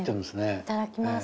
いただきます。